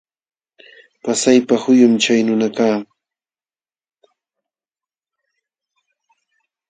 Pasaypa huyum chay nunakaq.